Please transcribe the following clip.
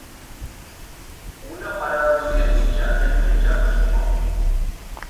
Una parada d'Orient Mitjà ven menjar casolà